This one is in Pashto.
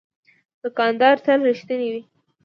دوکاندار تل رښتینی وي.